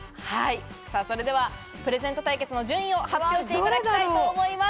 それではプレゼント対決の順位を発表していただきたいと思います。